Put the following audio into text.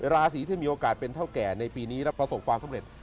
ราศีที่มีโอกาสเป็นเท่าแก่ในปีนี้และประสบความสำเร็จ